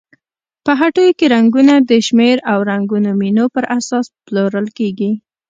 په هټیو کې رنګونه د شمېر او رنګونو مینو پر اساس پلورل کیږي.